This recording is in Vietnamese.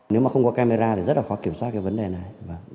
nếu mà không có camera thì rất là khó kiểm soát cái vấn đề này